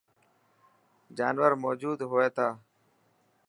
جانور موجود هئي تا.